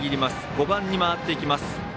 ５番に回っていきます。